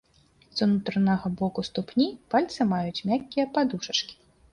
З унутранага боку ступні пальцы маюць мяккія падушачкі.